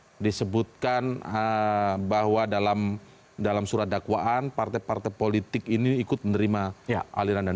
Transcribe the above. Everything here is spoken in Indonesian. tadi disebutkan bahwa dalam surat dakwaan partai partai politik ini ikut menerima aliran dana